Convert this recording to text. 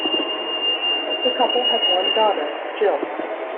The couple had one daughter, Jill.